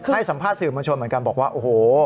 ให้สัมภาษณ์สื่อมวลชนเหมือนกันบอกว่าโอ้โห